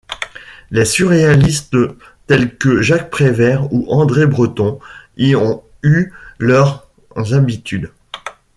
Les surréalistes, tels que Jacques Prévert ou André Breton, y ont eu leurs habitudes.